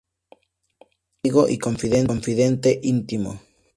Es el amigo y confidente íntimo.